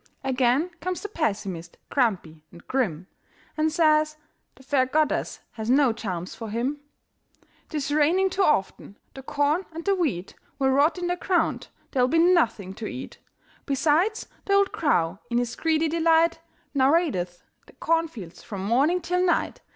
Again comes the pessimist, grumpy and grim, And says the fair goddess has no charms for him. "'Tis raining too often, the corn and the wheat Will rot in the ground; there'll be nothing to eat; Besides, the old crow, in his greedy delight, Now raideth the cornfields from morning till night.